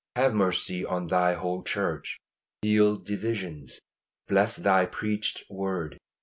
Have mercy on Thy whole Church. Heal divisions. Bless Thy preached word.